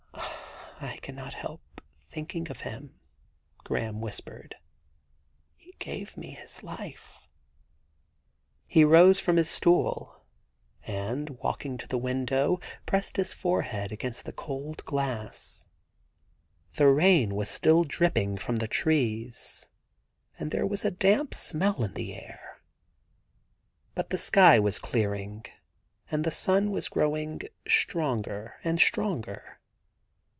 ' I cannot help thinking of him,' Graham whispered. * He gave me his life.' He rose from his stool, and walking to the window pressed his forehead against the cold glass. The rain was still dripping from the trees, and there was a damp smell in the air ; but the sky was clearing, and the sun was growing stronger and stronger.